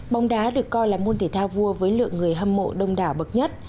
bóng đá được coi là môn thể thao vua với lượng người hâm mộ đông đảo bậc nhất